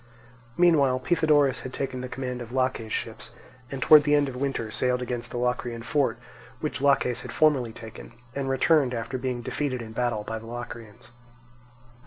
Meanwhile Pythodorus had taken the command of Laches' ships, and towards the end of winter sailed against the Locrian fort, which Laches had formerly taken, and returned after being defeated in battle by the Locrians.